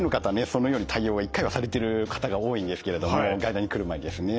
そのように対応を１回はされてる方が多いんですけれども外来に来る前にですね。